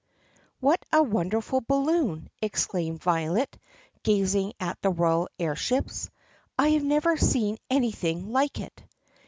W HAT a wonderful balloon!" exclaimed Violet gaz ing at the royal air ships! "I have never seen anything like it."